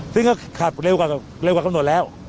ซึ่งก็ขับเร็วกว่ากำหนดแล้ว